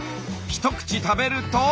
一口食べると。